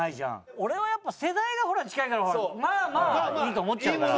俺はやっぱ世代が近いからまあまあいいと思っちゃうから。